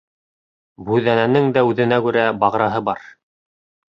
Бүҙәнәнең дә үҙенә күрә бағраһы бар.